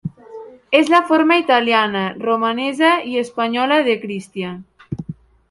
És la forma italiana, romanesa i espanyola de Christian.